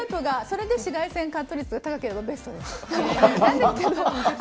それで紫外線カット率が高ければベストです。